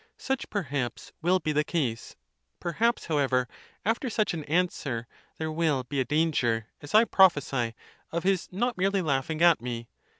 Such perhaps will be the case; perhaps, however, after such an answer, there will be a danger, as I prophesy, of his not merely laughing at me.